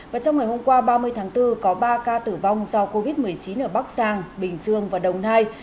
và trong ngày hôm qua ba mươi tháng bốn có ba ca tử vong do covid một mươi chín ở bắc giang bình dương và đồng nai